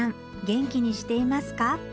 げんきにしていますか」